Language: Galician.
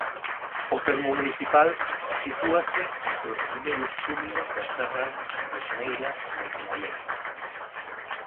O termo municipal sitúase entre os primeiros cumios das serras de Soneira e Montemaior.